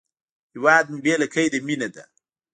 هیواد مې بې له قیده مینه ده